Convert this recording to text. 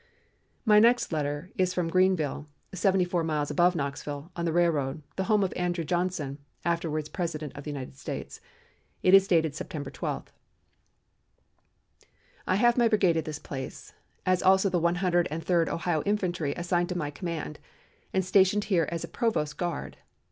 My next letter is from Greenville, seventy four miles above Knoxville on the railroad, the home of Andrew Johnson, afterwards President of the United States. It is dated September 12: "I have my brigade at this place, as also the One Hundred and Third Ohio Infantry assigned to my command and stationed here as a provost guard.